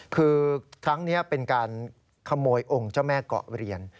คือครั้งนี้เป็นการขโมยองค์เจ้าแม่เกาะเรียน